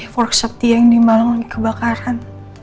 workshop dia yang di malang lagi kebakaran